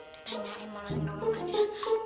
ditanyain malah ngomong aja